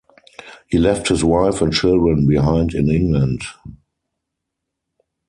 He left his wife and children behind in England.